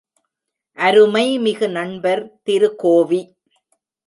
அருமைமிகு நண்பர் திரு கோவி.